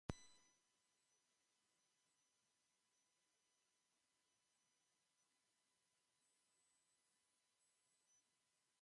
Bi herrialdeek sektore estrategikoetan lankidetza izatea aztertuko dute bertan.